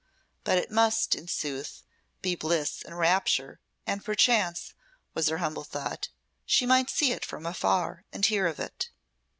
But it must, in sooth, be bliss and rapture; and perchance, was her humble thought, she might see it from afar, and hear of it.